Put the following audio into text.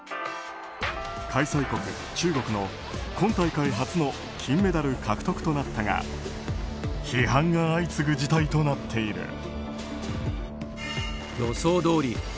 開催国・中国の今大会初の金メダル獲得となったが批判が相次ぐ事態となっている。